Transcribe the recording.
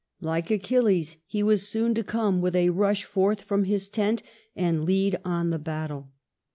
Like Achilles, he was soon to come with a rush forth from his tent and lead on the battle.